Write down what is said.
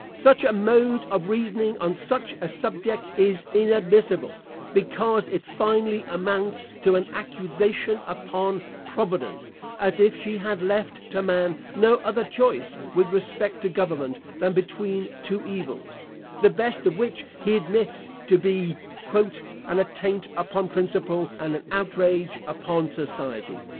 Such a mode of reasoning on such a subject is inadmissible, because it finally amounts to an accusation upon Providence, as if she had left to man no other choice with respect to government than between two evils, the best of which he admits to be "an attaint upon principle, and an outrage upon society."